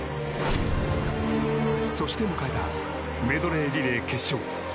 そして迎えたメドレーリレー決勝。